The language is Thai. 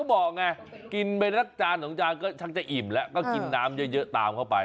บอกไงกินไปละจานสองจานก็ชักจะอิ่มแล้วก็กินน้ำเยอะตามเข้าไป